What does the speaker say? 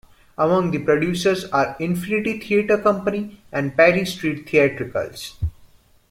Among the producers are Infinity Theatre Company and Perry Street Theatricals.